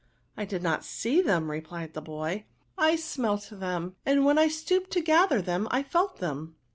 ^* I did not see them," implied the hojf NOUNS* 131 *' I smelt them; and^ when I stooped to gather them, I felt them."